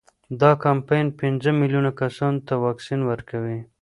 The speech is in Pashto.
دا کمپاین پنځه میلیون کسانو ته واکسین ورکوي.